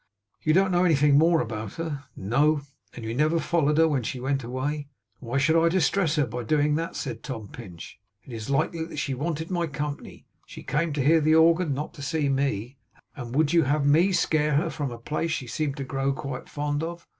'You don't know anything more about her?' 'No.' 'And you never followed her when she went away?' 'Why should I distress her by doing that?' said Tom Pinch. 'Is it likely that she wanted my company? She came to hear the organ, not to see me; and would you have had me scare her from a place she seemed to grow quite fond of?